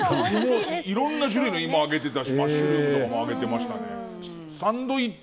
いろんな種類の芋を揚げてたりマッシュルームを揚げてたりしましたね。